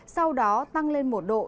sau đó tăng lên một độ